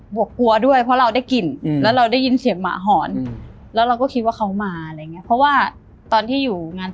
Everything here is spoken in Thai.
แบบเนี้ย